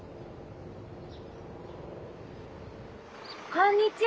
こんにちは。